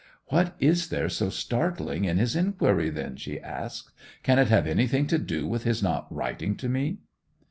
'What is there so startling in his inquiry then?' she asked. 'Can it have anything to do with his not writing to me?